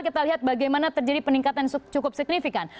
kita lihat bagaimana terjadi peningkatan yang cukup signifikan